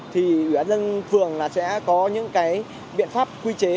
thì ủy ban dân phường là sẽ có những cái biện pháp quy chế